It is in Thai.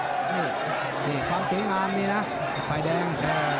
นี่ความสวยงามนี่นะฝ่ายแดง